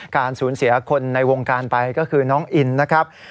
การสูญเสียคนในวงการไปก็คือน้องอินนะครับ